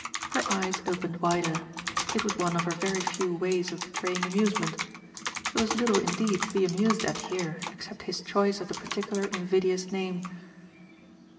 Her eyes opened wider: it was one of her very few ways of betraying amusement. There was little indeed to be amused at here except his choice of the particular invidious name.